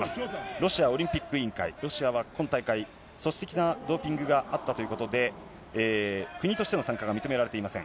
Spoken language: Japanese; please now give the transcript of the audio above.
ロシアオリンピック委員会、ロシアは今大会、組織的なドーピングがあったということで、国としての参加が認められていません。